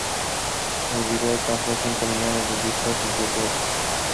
El vídeo alcanzó cinco millones de visitas en siete horas.